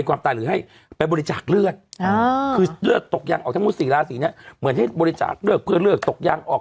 คือเลือกตกยางออกทั้งหมดศรีราษีเนี่ยเหมือนให้บริจาคเลือกเพื่อเลือกตกยางออก